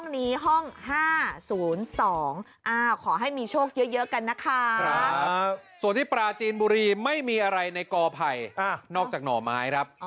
นอกจากหน่อไม้ครับ